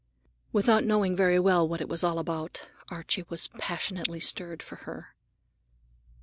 Without knowing very well what it was all about, Archie was passionately stirred for her.